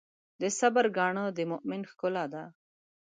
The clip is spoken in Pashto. د صبر ګاڼه د مؤمن ښکلا ده.